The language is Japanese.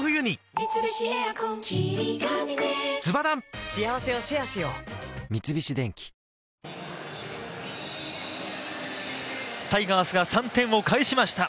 三菱電機タイガースが３点を返しました。